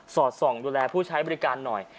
อดส่องดูแลผู้ใช้บริการหน่อย